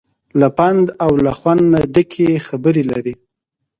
له پند او له خوند نه ډکې خبرې لري.